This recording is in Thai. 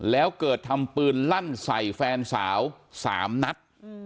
แล้วเกิดทำปืนลั่นใส่แฟนสาว๓นัด